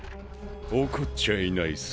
怒っちゃいないさ。